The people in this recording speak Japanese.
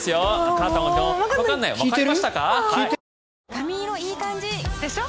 髪色いい感じ！でしょ？